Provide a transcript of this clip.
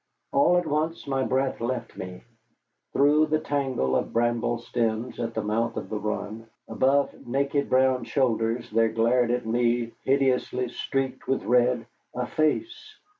All at once my breath left me. Through the tangle of bramble stems at the mouth of the run, above naked brown shoulders there glared at me, hideously streaked with red, a face.